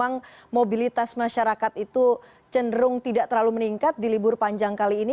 apakah catatannya di bogor itu mobilitas masyarakat itu cenderung tidak terlalu meningkat di libur panjang kali ini